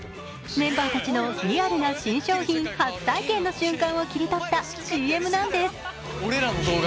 メンバーたちのリアルな新商品初体験の瞬間を切り取ったＣＭなんです。